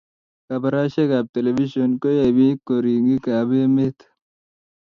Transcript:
Kabarashek ab televishen koyaipik koringik ab emet